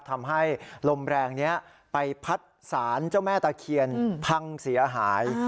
ทำให้ลมแรงนี้ไปพัดสารเจ้าแม่ตะเคียนพังเสียหาย